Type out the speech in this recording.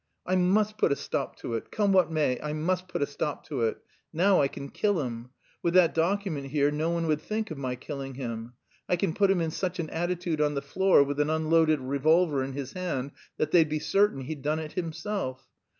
I must put a stop to it; come what may, I must put a stop to it.... Now I can kill him.... With that document here no one would think of my killing him. I can put him in such an attitude on the floor with an unloaded revolver in his hand that they'd be certain he'd done it himself....